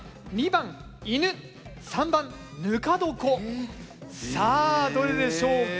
３番「ぬか床」さあどれでしょうか。